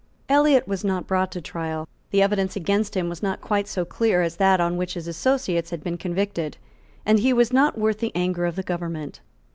Elliot was not brought to trial. The evidence against him was not quite so clear as that on which his associates had been convicted; and he was not worth the anger of the government.